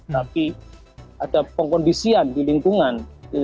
tapi ada pengkondisian di lingkungan